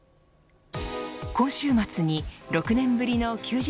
今週末に、６年ぶりの休日